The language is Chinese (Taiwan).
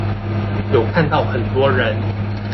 有看到很多人